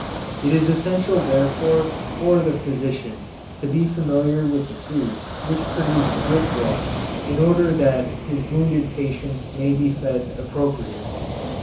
It is essential therefore for the physician to be familiar with the foods which produce good blood in order that his wounded patients may be fed appropriately.